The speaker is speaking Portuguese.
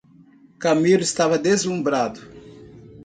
Camilo estava deslumbrado.